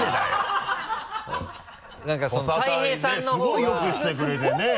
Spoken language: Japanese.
すごいよくしてくれてねそうですよ